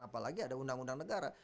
apalagi ada undang undang negara